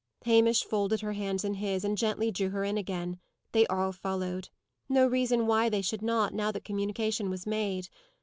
Hamish folded her hands in his, and gently drew her in again. They all followed. No reason why they should not, now that the communication was made.